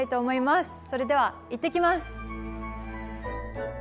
それでは行ってきます。